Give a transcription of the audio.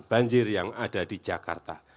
banjir yang ada di jakarta